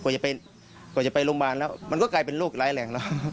กว่าจะไปโรงพยาบาลแล้วมันก็กลายเป็นโรคร้ายแรงแล้ว